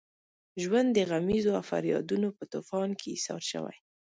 ژوند د غمیزو او فریادونو په طوفان کې ایسار شوی.